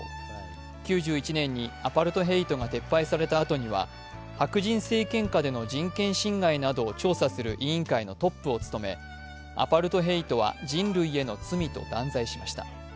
９１年にアパルトヘイトが撤廃されたあとには白人政権下での人権侵害などを調査する委員会のトップを務めアパルトヘイトは人類への罪と断罪しました。